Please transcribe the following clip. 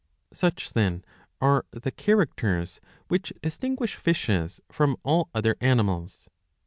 14 139 Such then are the characters which distinguish fishes from all other animals.